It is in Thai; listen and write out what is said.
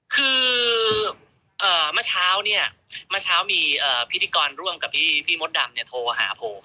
คือเอ่อมาเช้าเนี่ยมาเช้ามีพิธีกรรมร่วมกับพี่มดดำเนี่ยโทรหาผม